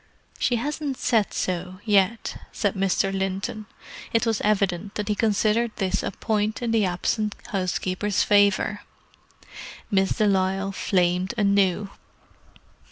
"She hasn't said so, yet," said Mr. Linton. It was evident that he considered this a point in the absent housekeeper's favour. Miss de Lisle flamed anew.